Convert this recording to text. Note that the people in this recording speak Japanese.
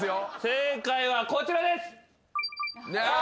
正解はこちらです。